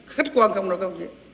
không thể nói đổi cho